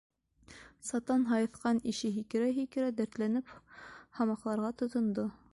Сатан һайыҫҡан ише һикерә-һикерә дәртләнеп һамаҡларға тотондо: